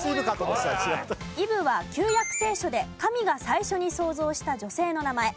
イブは『旧約聖書』で神が最初に創造した女性の名前。